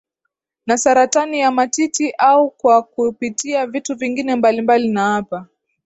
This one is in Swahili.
na saratani ya matiti au kwa kupitia vitu vingine mbalimbali na hapa